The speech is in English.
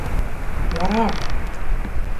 Warra!